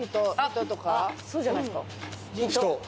そうじゃないですか。